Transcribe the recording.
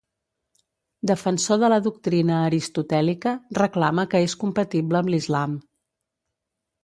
Defensor de la doctrina aristotèlica, reclama que és compatible amb l'islam.